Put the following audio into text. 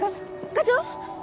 課長！